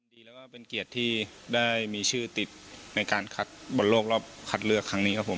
ดีแล้วก็เป็นเกียรติที่ได้มีชื่อติดในการคัดบอลโลกรอบคัดเลือกครั้งนี้ครับผม